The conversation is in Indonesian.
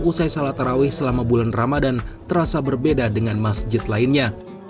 usai salat tarawih selama bulan ramadan terasa berbeda dengan masjid lainnya